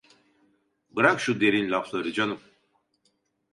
Bırak şu derin lafları canım!